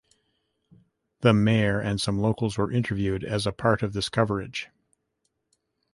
The mayor and some locals were interviewed as a part of this coverage.